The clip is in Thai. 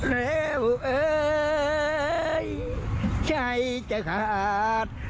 แล้วเอ่ยใจจะขาด